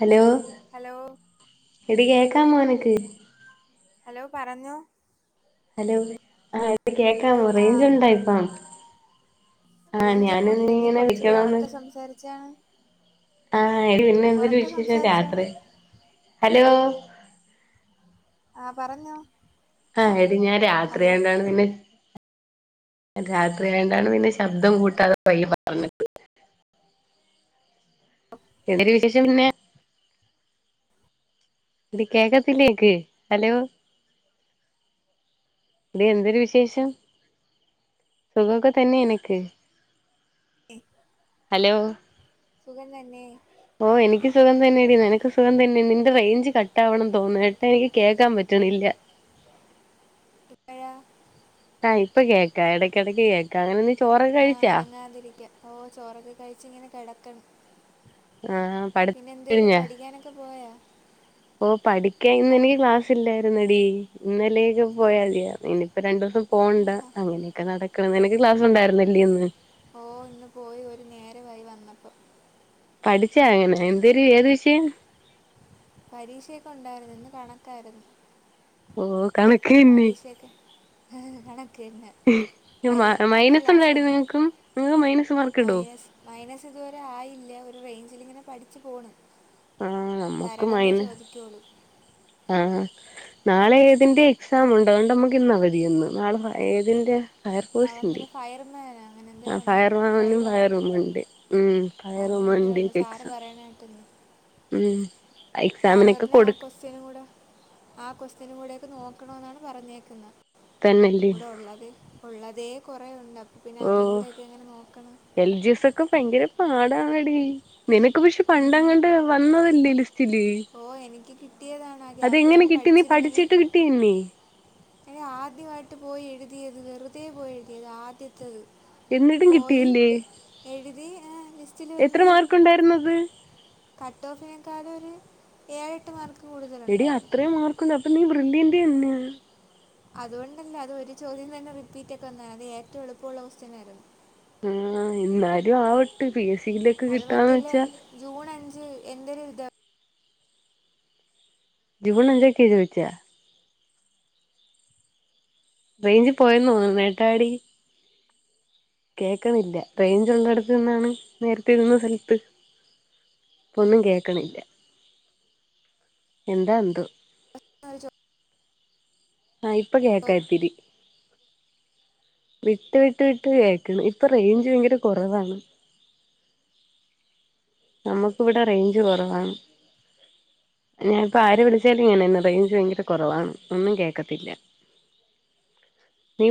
Hello hello എടി കേക്കാമോനിനക്ക്? Hello പറഞ്ഞോ ഹലോ ആഹ് ഇത് കേക്കാവോ ആഹ് റേയ്ഞ്ചൊണ്ടോ ഇപ്പൊ? ആഹ് ഞാനിന്ന് ഇങ്ങനെ വിളിക്കണോന്ന് സംസാരിച്ചാ ആഹ് എടി പിന്നെ എന്തെര് വിശേഷം സംസാരിച്ചാണ് രാത്രി ഹലോ? ആഹ് പറഞ്ഞോ ആഹ് എടി ഞാൻ ഹലോ രാത്രിയായോണ്ടാണ് പിന്നെ രാത്രി ആയോണ്ടാണ് പിന്നെ ശബ്ദം കൂട്ടാതെ പയ്യെ പറഞ്ഞത് ആ എന്തെര് വിശേഷം പിന്നെ? എടി കേക്കത്തില്ലേ നിനക്ക് ഹലോ? എടി എന്തെര് വിശേഷം? സുഖൊക്കെ തന്നേ നിനക്ക്? ഏഹ് ഹലോ സുഖം തന്നെ ഓഹ് എനിക്ക് സുഖം തന്നെയെടി നിനക്ക് സുഖം തന്നെയാ നിന്റെ റേഞ്ച് കട്ടാവ്ണ്ന്ന് തോനുന്നു കേട്ടാ എനിക്ക് കേക്കാൻ പറ്റണില്ലാ. [unintelligible] ആഹ് ഇപ്പ കേക്കാം എടക്കെടക്ക് കേ ക്കാം അങ്ങനെ നീ ചോറൊക്കെ ആഹ് കഴിച്ചാ അനങ്ങാതിരിക്കാ ഓഹ് ചോറൊക്കെ കഴിച്ച്ങ്ങനെ കെടക്കണ് ആഹ് പഠി പിന്നെന്തെര് പഠിക്കാനൊക്കെ പോയാ? ഓഹ് പഠിക്കാൻ ക്ലാ ഇന്നെനിക്ക് ക്ലാസ്സിലായിരുന്നെടീ ഇന്നലേക്ക് പോയാ മതിയാ ഇനി പ്പൊ രണ്ടൂസം പോണ്ടാ ആഹാ അങ്ങനെയൊക്കെ നടക്ക്ണ് നിനക്ക് ക്ലാസ്സൊണ്ടായിരുന്നില്ലേ ഇന്ന് ഓഹ് ഇന്ന് പോയി ഒരു നേരവായി വന്നപ്പം പഠിച്ചാ അങ്ങനാ എന്തെരു ഏത് [unintelligible] പരീക്ഷയൊക്കെ ഒണ്ടായിരുന്ന് ഇന്ന് കണക്കായിരുന്നു. ഓഹ് കണക്ക് തന്നെ പരീക്ഷയെക്കെ കണക്കെന്നെ മ മൈനസ് ഇണ്ടോടി നിങ്ങക്കും നിങ്ങക്ക് മൈനസ് മാർക്ക് ഇടോ? മൈനസിതുവരെ ആയില്ലാ ഒരു റേഞ്ചിലിങ്ങനെ പഠിച്ചു പോണ്. ആഹ് നമ്മുക്ക് തരണതേ മൈന ചോദിക്കോള്ളൂ ആഹ് ആഹ് നാളെ ഏതിന്റെ എക്സാമുണ്ടോ അതോണ്ട് നമ്മക്ക് ഇന്ന് അവധിയിന്ന് നാളെ പ ഏതിൻ്റെയാ? നാളെന്തെരാ ഫയർമാനാ? ആ അങ്ങനന്തെരോ ഒണ്ട് ഫയർമാനും ഡ്രൈവറാ ഫയർവുമൻണ്ട് ഉം ആഹ് അങ്ങനെന്തെരോ ഫയർവുമൻണ്ട് ഒണ്ട് സാറ് എക്സാം പറയണ കേട്ട്ന്ന് ഉം സാറ് എക്സാമിനൊക്കെ പറഞ്ഞ് ആഹ് കൊടുക്ക ക്വസ്റ്റ്യനും കൂടെ ആ ക്വസ്റ്റ്യനും കൂടേയെക്കെ നോക്കണോന്നാണ് പറഞ്ഞേക്ക്ന്നെ. തന്നെല്ലേ ഇവടെ ഒള്ളത് ഒള്ളതേ കൊറെയൊണ്ട് അപ്പ പിന്നെ ഓ അതും കൂടെയൊക്കെ എങ്ങനെ നോക്ക്ണ് എൽ ജി എസൊക്കെ ഭയങ്കര പാടാണെടീ നിനക്ക് പക്ഷെ പണ്ടെങ്ങാണ്ട് വന്നതല്ലേ ലിസ്റ്റില് ഓഹ് എനിക്ക് കിട്ടിയതാണ് ആ ഗ്യാപ്പിലങ്ങ് പഠിച്ചിരുന്നെങ്കി പിന്നെ ഏഹ് ആദ്യവായിട്ട് പോയി എഴുതിയത് വെറുതെ പോയി എഴുതിയത് ആദ്യത്തേത് എന്നിട്ടും പോയി കിട്ടിയില്ലേ എഴുതി ഏഹ് ലിസ്റ്റില് എത്ര വന്ന് മാർക്ക് ഉണ്ടായിരുന്നത് കട്ടോഫിനേക്കാൾ ഒര് ഏഴെട്ട് മാർക്ക് കൂടുതൽ എടി അത്രയും മാർക്കുണ്ട് അപ്പൊ നീ വൃന്ദീന്റെറ തന്നെയാ അതുകൊണ്ടല്ല അത് ഒരു ചോദ്യം തന്നെ റിപ്പീറ്റ് ഒക്കെ വന്ന അത് ഏറ്റ എളപ്പമുള്ള കൊസ്റ്റ്യനായിരുന്നു ആഹ് എന്നാലും ആവട്ട് പി എസ് സി ല് അത് മറ്റേല്ല ജൂൺ അഞ്ച് എന്റെ ഒരു ജൂൺ അഞ്ചക്ക എഴുതിവെച്ച റൈഞ്ച് പോയന്നോന്നുന്നു ഏട്ടാടി കേക്ക്‌ണില്ല റേഞ്ച് ഉള്ളടുത്ത് നിന്നാണ് നേരത്തെ നിന്ന സ്ഥലത്ത് ഇപ്പൊന്നും കേക്ക്ണില്ല എന്താ എന്തു [unintelligible] ആഹ് ഇപ്പ കേക്കാ ഇത്തിരി വിട്ട് വിട്ട് വിട്ട് കേക്ക്ണ് ഇപ്പൊ റെയിഞ്ച് ഭയങ്കര കുറവാണ് നമുക്ക് ഇവിടെ റേയിഞ്ച് കുറവാണ് ഞാൻ ഇപ്പെ ആര് വിളിച്ചാലും ഇങ്ങനെന്നെ റേഞ്ച് ഭയങ്കര കുറവാണ് ഒന്നും കേക്കത്തില്ല നീ